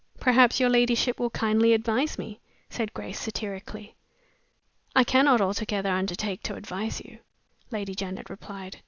'' "Perhaps your ladyship will kindly advise me?" said Grace, satirically. "I cannot altogether undertake to advise you," Lady Janet replied.